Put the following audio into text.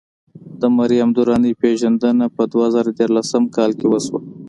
د مریم درانۍ پېژندنه په دوه زره ديارلسم کال کې وشوه.